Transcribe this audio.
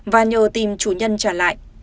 và nhờ tìm chủ nhân trả lại